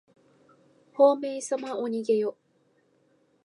ほうめいさまおにげよ。